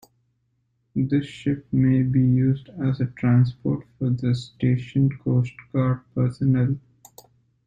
This ship may be used as a transport for the stationed coast guard personnel.